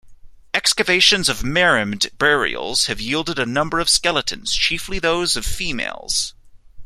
Excavations of Merimde burials have yielded a number of skeletons, chiefly those of females.